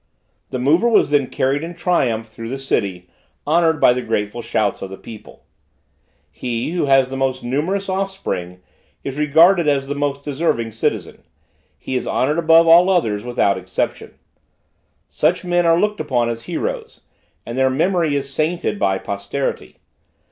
The mover was then carried in triumph through the city, honored by the grateful shouts of the people. He, who has the most numerous offspring, is regarded as the most deserving citizen; he is honored above all others, without exception. Such men are looked upon as heroes, and their memory is sainted by posterity.